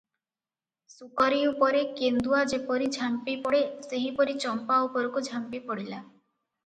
ଶୁକରୀ ଉପରେ କେନ୍ଦୁଆ ଯେପରି ଝାମ୍ପି ପଡ଼େ, ସେହିପରି ଚମ୍ପା ଉପରକୁ ଝାମ୍ପି ପଡ଼ିଲା ।